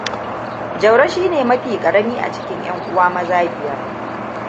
Jauro shi ne mafi karami cikin 'yan'uwa maza biyar.